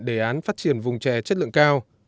đề án phát triển vùng trè chất lượng cao